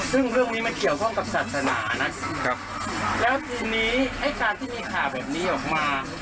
ซึ่งเรื่องนี้มันเกี่ยวข้องกับศาสนานะครับแล้วทีนี้ไอ้การที่มีข่าวแบบนี้ออกมา